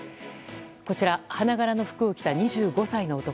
こちら、花柄の服を着た２５歳の男。